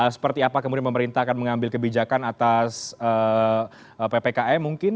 seperti apa kemudian pemerintah akan mengambil kebijakan atas ppkm mungkin